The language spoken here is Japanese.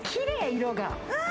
色が。